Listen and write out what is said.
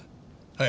はい。